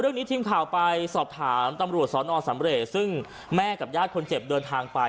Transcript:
ทีมข่าวไปสอบถามตำรวจสอนอสำเรย์ซึ่งแม่กับญาติคนเจ็บเดินทางไป